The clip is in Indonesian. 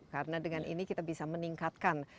karena dengan ini kita bisa meningkatkan